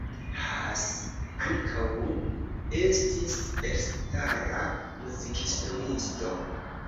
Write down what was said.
Haas ankaŭ estis elstara muzikinstruisto.